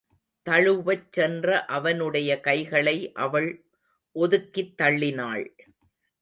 தழுவச் சென்ற அவனுடைய கைகளை அவள் ஒதுக்கித் தள்ளினாள்.